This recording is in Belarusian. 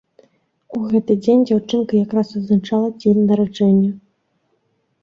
У гэты дзень дзяўчынка якраз адзначала дзень нараджэння.